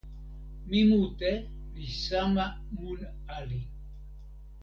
mi mute li sama mun ali.